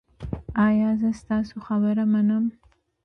ایا زه ستاسو خبره منم؟